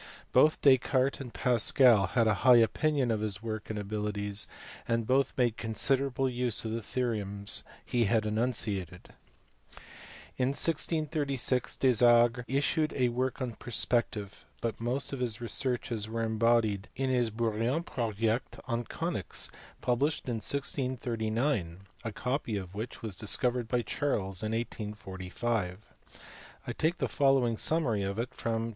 Both Descartes and Pascal had a high opinion of his work and abilities, and both made considerable use of the theorems he had enunciated. In 1636 Desargues issued a work on perspective ; but most of his researches were embodied in his Brouillon proiect on conies, published in 1639, a copy of which was discovered by Chasles in 1845. I take the following summary of it from Ch.